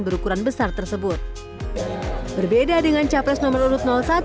berbeda dengan capres nomor urut satu